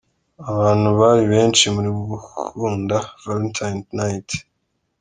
Abantu bari benshi muri Gukunda Valentine Night .